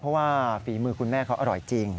เพราะว่าฝีมือคุณแม่เขาอร่อยจริง